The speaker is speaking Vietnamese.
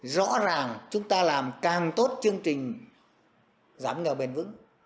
rõ ràng chúng ta làm càng tốt chương trình giảm nghèo bền vững